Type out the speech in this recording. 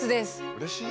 うれしい！